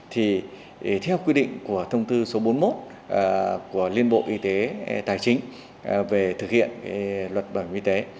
thì theo quy định của thông tư số bốn mươi một của liên bộ y tế tài chính về thực hiện luật bảo hiểm y tế